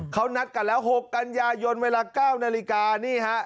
เขานัดกันแล้ว๖กันยายนเวลา๙นาฬิกานี่ฮะ